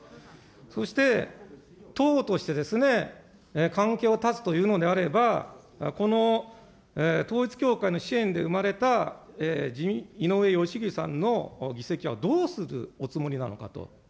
そして、党としてですね、関係を断つというのであれば、この統一教会の支援で生まれた井上義行さんの議席はどうするおつもりなのかと。